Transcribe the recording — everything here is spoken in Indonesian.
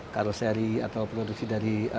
karoseri atau produksi dari